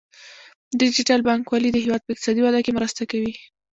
ډیجیټل بانکوالي د هیواد په اقتصادي وده کې مرسته کوي.